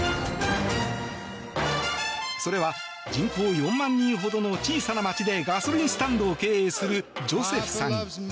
それは人口４万人ほどの小さな町でガソリンスタンドを経営するジョセフさん。